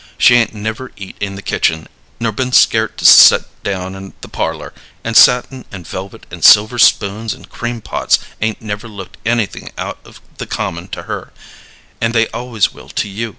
She 'ain't never eat in the kitchen, nor been scart to set down in the parlor, and satin and velvet, and silver spoons, and cream pots 'ain't never looked anything out of the common to her, and they always will to you.